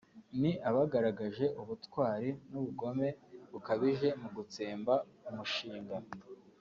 Ni abagaragaje ubugwari n’ubugome bukabije mu gutsemba umushinga